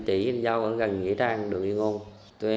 tại nhà út mang thiệt vụ